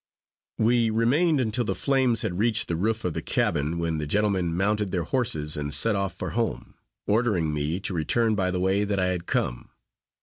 We remained until the flames had reached the roof of the cabin, when the gentlemen mounted their horses and set off for home, ordering me to return by the way that I had come.